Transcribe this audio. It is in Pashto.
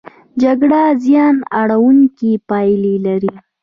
جګړه زیان اړوونکې پایلې لري.